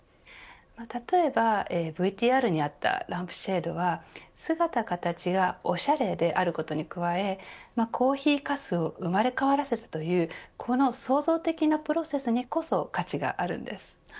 例えば、ＶＴＲにあったランプシェードは姿、形がオシャレであることに加えコーヒーかすを生まれ変わらせたというこの創造的なプロセスにこそ価値があるわけです。